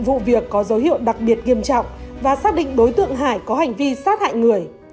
vụ việc có dấu hiệu đặc biệt nghiêm trọng và xác định đối tượng hải có hành vi sát hại người